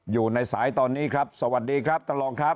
อยู่ในสายตอนนี้ครับสวัสดีครับท่านรองครับ